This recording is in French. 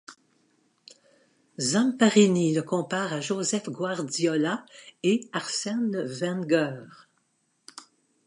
Zamparini le compare à Josep Guardiola et Arsène Wenger.